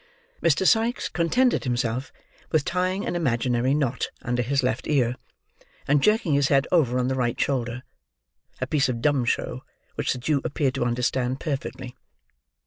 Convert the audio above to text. Mr. Sikes contented himself with tying an imaginary knot under his left ear, and jerking his head over on the right shoulder; a piece of dumb show which the Jew appeared to understand perfectly.